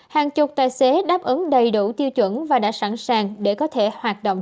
hàng chục tài xế đáp ứng đầy đủ tiêu chuẩn và đã sẵn sàng để có thể hoạt động